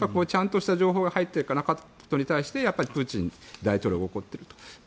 ちゃんとした情報が入っていかなかったことに対してやっぱりプーチン大統領が怒っていると。